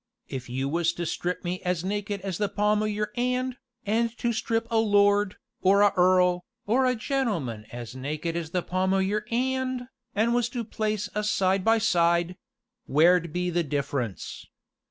If you was to strip me as naked as the palm o' your 'and, an' to strip a lord, or a earl, or a gentleman as naked as the palm o' your 'and, an' was to place us side by side where'd be the difference?